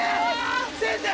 先生！